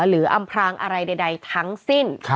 อำพรางอะไรใดทั้งสิ้น